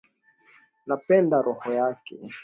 Napenda roho yake